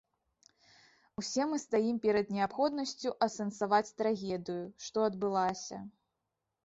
Усе мы стаім перад неабходнасцю асэнсаваць трагедыю, што адбылася.